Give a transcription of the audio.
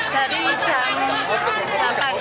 dari jam delapan